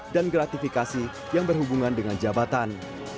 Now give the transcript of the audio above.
dan gratifikasi yang berhubungan dengan jabatan